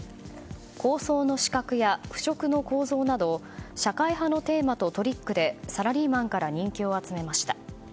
「高層の死角」や「腐蝕の構造」など社会派のテーマとトリックで、サラリーマンから人気を集めました。